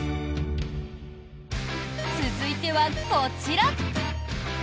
続いては、こちら。